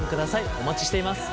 お待ちしています。